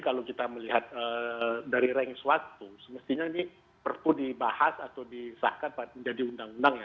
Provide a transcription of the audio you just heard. kalau kita melihat dari rank suatu semestinya ini perpu dibahas atau disahkan menjadi undang undang ya